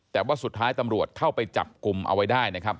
แต่ว่าสุดท้ายตำรวจเข้าไปจับกลุ่มเอาไว้ได้นะครับ